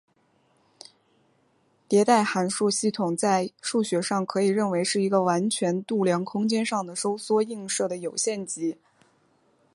迭代函数系统在数学上可以认为是一个完全度量空间上的收缩映射的有限集。